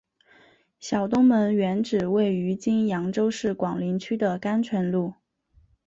小东门原址位于今扬州市广陵区的甘泉路。